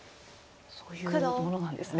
そういうものなんですね。